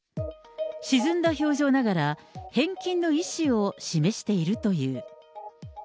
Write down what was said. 沈んだ表情ながら、返金の意思を示しているという。